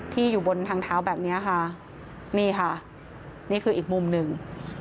อยู่บนทางเท้าแบบนี้ค่ะนี่ค่ะนี่คืออีกมุมหนึ่ง